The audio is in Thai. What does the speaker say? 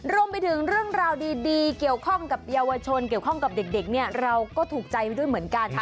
รวมไปถึงเรื่องราวดีเกี่ยวข้องกับเยาวชนเกี่ยวข้องกับเด็กเนี่ยเราก็ถูกใจไปด้วยเหมือนกัน